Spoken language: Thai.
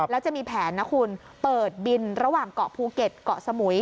แล้วจะมีแผนนะคุณเปิดบินระหว่างเกาะภูเก็ตเกาะสมุย